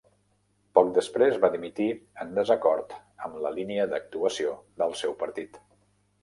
Poc després va dimitir en desacord amb la línia d'actuació del seu partit.